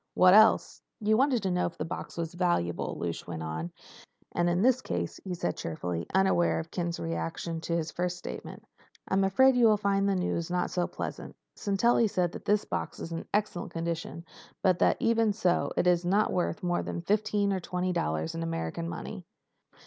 "What else?" "You wanted to know if the box is valuable," Lausch went on. "And in this case," he said, cheerfully unaware of Ken's reaction to his first statement, "I'm afraid you will find the news not so pleasant. Sintelli says this box is in excellent condition, but that even so it is not worth more than fifteen or twenty dollars in American money."